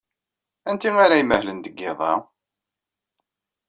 Anti ara imahlen deg yiḍ-a?